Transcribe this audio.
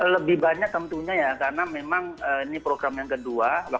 lebih banyak tentunya ya karena memang ini program yang kedua